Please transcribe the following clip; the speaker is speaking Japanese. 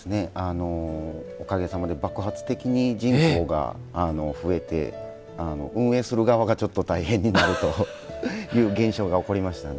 おかげさまで爆発的に人口が増えて運営する側がちょっと大変になるという現象が起こりましたね。